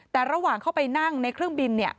แต่ระหว่างเข้าไปนั่งในเครื่องบิน